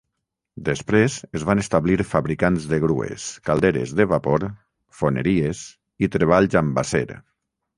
Després es van establir fabricants de grues, calderes de vapor, foneries i treballs amb acer.